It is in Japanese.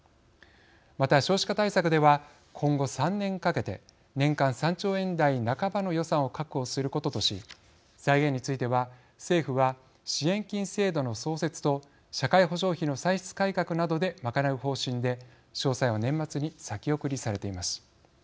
また、少子化対策では今後３年かけて年間３兆円台半ばの予算を確保することとし財源については、政府は支援金制度の創設と社会保障費の歳出改革などで賄う方針で詳細は年末に先送りされています。